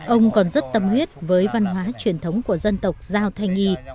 ông còn rất tâm huyết với văn hóa truyền thống của dân tộc giao thanh y